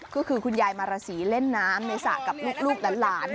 ก็คือคุณยายมาราศีเล่นน้ำในสระกับลูกหลาน